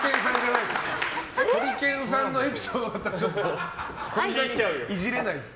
ホリケンさんのエピソードだったらちょっとイジれないです。